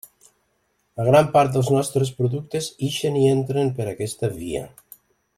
Una gran part dels nostres productes ixen i entren per aquesta via.